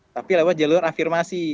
tapi lewat jalur afirmasi